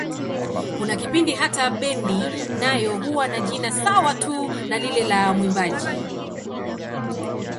Kuna kipindi hata bendi nayo huwa na jina sawa tu na lile la mwimbaji.